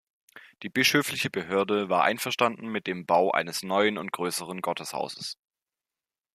Die Bischöfliche Behörde war einverstanden mit dem Bau eines neuen und größeren Gotteshauses.